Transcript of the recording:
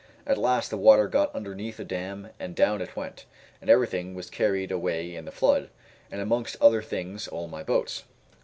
At last the water got underneath the dam and down it went, and everything was carried away in the flood, and amongst other things all my boats.